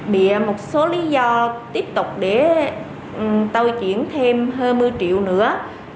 bị một số lý do tiếp tục để tàu chuyển thêm hơn một mươi triệu nữa